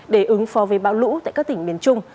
để ứng phó với bão lũ tại các tỉnh miền trung